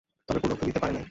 তবু পলক ফেলিতে পারে নাই।